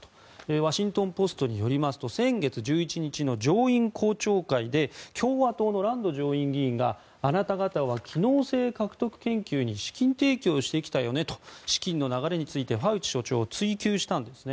ワシントン・ポストによりますと先月１１日の上院公聴会で共和党のランド上院議員があなた方は機能性獲得研究に資金提供してきたよねと資金の流れについてファウチ所長を追及したんですね。